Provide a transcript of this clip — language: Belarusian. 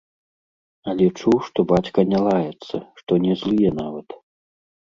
Але чуў, што бацька не лаецца, што не злуе нават.